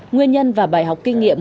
nguyên nhân và bài học kinh nghiệm